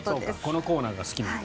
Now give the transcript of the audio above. このコーナーが好きなんだ。